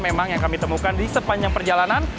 memang yang kami temukan di sepanjang perjalanan